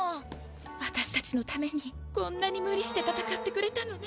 わたしたちのためにこんなにむりしてたたかってくれたのね。